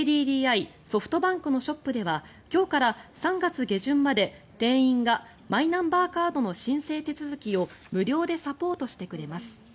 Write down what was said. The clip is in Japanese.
ソフトバンクのショップでは今日から３月下旬まで店員がマイナンバーカードの申請手続きを無料でサポートしてくれます。